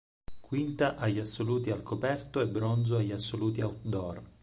Quinta agli assoluti al coperto e bronzo agli assoluti outdoor.